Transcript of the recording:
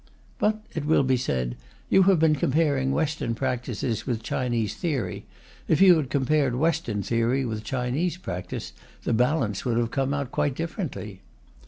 But, it will be said, you have been comparing Western practice with Chinese theory; if you had compared Western theory with Chinese practice, the balance would have come out quite differently.